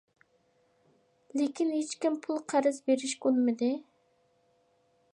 لېكىن ھېچكىم پۇل قەرز بېرىشكە ئۇنىمىدى.